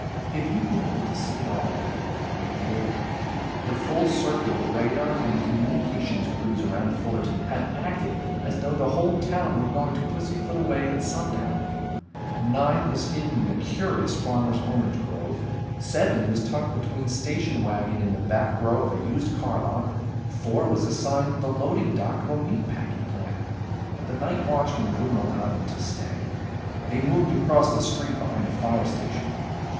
If you'd been able to see it all, you'd have worried. The full circle of radar and communications crews around Fullerton had acted as though the whole town were going to pussyfoot away at sundown. Nine was hidden in a curious farmer's orange grove. Seven was tucked between station wagons in the back row of a used car lot. Four was assigned the loading dock of a meat packing plant, but the night watchman wouldn't allow them to stay. They moved across the street behind a fire station.